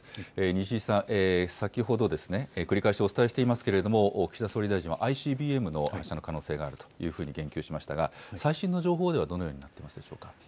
西井さん、先ほど、繰り返しお伝えしていますけれども、岸田総理大臣はＩＣＢＭの発射の可能性があるというふうに言及しましたが、最新の情報ではどのようになっていますでしょうか。